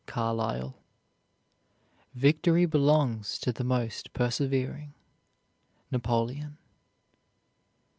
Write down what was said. CARLYLE. Victory belongs to the most persevering. NAPOLEON.